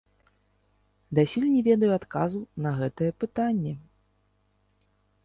Дасюль не ведаю адказу на гэтае пытанне.